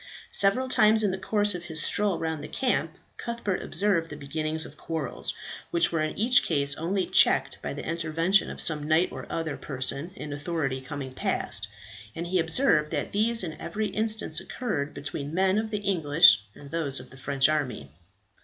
Several times in the course of his stroll round the camp Cuthbert observed the beginnings of quarrels, which were in each case only checked by the intervention of some knight or other person in authority coming past, and he observed that these in every instance occurred between men of the English and those of the French army.